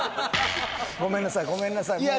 ごめんなさいごめんなさいもう。